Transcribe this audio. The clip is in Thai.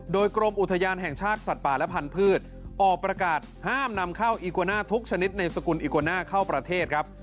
โดยกรมอุทยานแห่งชาติสัตว์ป่าและพันธุ์ออกประกาศห้ามนำเข้าอีกวาน่าทุกชนิดในสกุลอิโกน่าเข้าประเทศครับ